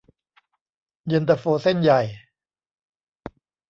เย็นตาโฟเส้นใหญ่